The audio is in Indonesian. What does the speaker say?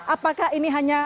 apakah ini hanya